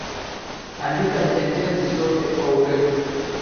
Andika sentensi zote kwa urefu.